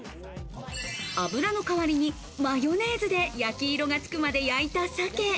油の代わりにマヨネーズで焼き色がつくまで焼いた鮭。